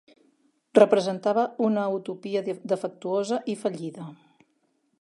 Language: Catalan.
Representava una utopia defectuosa i fallida.